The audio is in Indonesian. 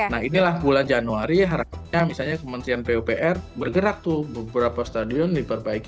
nah inilah bulan januari harapannya misalnya kementerian pupr bergerak tuh beberapa stadion diperbaiki